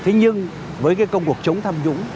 thế nhưng với cái công cuộc chống tham dũng